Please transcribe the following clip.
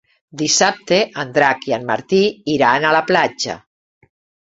Dissabte en Drac i en Martí iran a la platja.